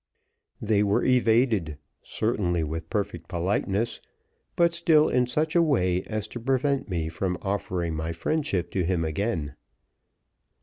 They were evaded certainly with perfect politeness, but still in such a way as to prevent me from offering my friendship to him again.